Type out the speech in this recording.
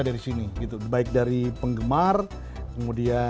dan tadi bahwa refleksi dari tanggal lagu terakhir ya